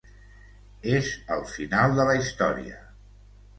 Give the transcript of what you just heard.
És el final de la història.